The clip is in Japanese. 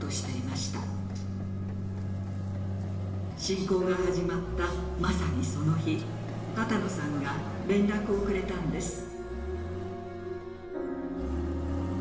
侵攻が始まったまさにその日波多野さんが連絡をくれたんです。